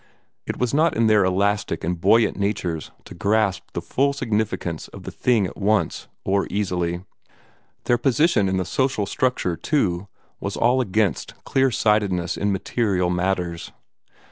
It was not in their elastic and buoyant natures to grasp the full significance of the thing at once, or easily. Their position in the social structure, too, was all against clear sightedness in material matters.